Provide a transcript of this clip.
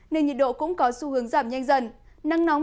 nên nhiệt độ cũng có xu hướng giảm nhanh dần